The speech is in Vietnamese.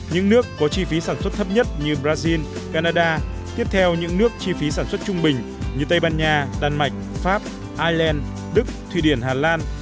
những nước có chi phí sản xuất thấp nhất như brazil canada tiếp theo những nước chi phí sản xuất trung bình như tây ban nha đan mạch pháp ireland đức thụy điển hà lan